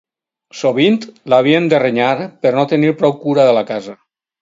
Sovint l’havíem de renyar per no tenir prou cura de la casa.